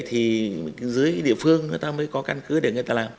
thì dưới địa phương người ta mới có căn cứ để người ta làm